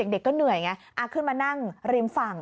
เด็กก็เหนื่อยไงขึ้นมานั่งริมฝั่ง